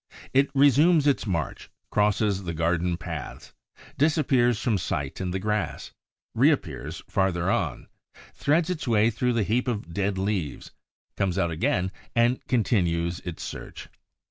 It resumes its march, crosses the garden paths, disappears from sight in the grass, reappears farther on, threads its way through the heap of dead leaves, comes out again and continues its search.